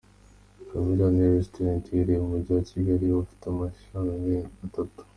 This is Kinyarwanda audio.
Camellia ni Restaurant iherereye mu mugi wa Kigali, ubu ifite amashami atatu.